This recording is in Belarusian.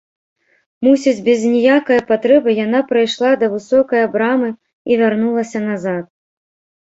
Мусіць, без ніякае патрэбы яна прайшла да высокае брамы і вярнулася назад.